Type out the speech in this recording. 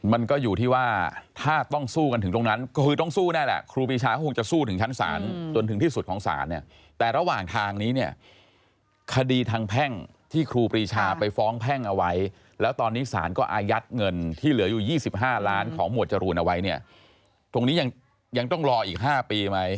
มันก็อยู่ที่ว่าถ้าต้องสู้กันถึงตรงนั้นก็คือต้องสู้แน่แหละครูปีชาเขาคงจะสู้ถึงชั้นศาลจนถึงที่สุดของศาลเนี่ยแต่ระหว่างทางนี้เนี่ยคดีทางแพ่งที่ครูปรีชาไปฟ้องแพ่งเอาไว้แล้วตอนนี้สารก็อายัดเงินที่เหลืออยู่๒๕ล้านของหมวดจรูนเอาไว้เนี่ยตรงนี้ยังต้องรออีก๕ปีไหม